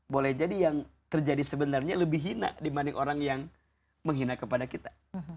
boleh jadi yang terjadi sebenarnya lebih hina dibanding orang yang menghina kepada kita